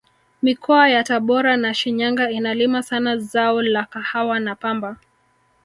mikoa ya tabora na shinyanga inalima sana zao la kahawa na pamba